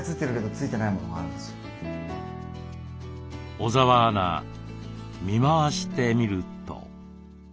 小澤アナ見回してみると。